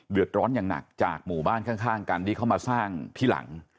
เดือดร้อนอย่างหนักจากหมู่บ้านข้างกันที่เขามาสร้างที่หลัง